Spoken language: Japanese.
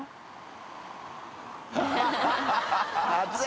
熱い。